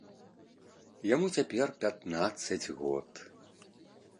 Яму цяпер пятнаццаць год.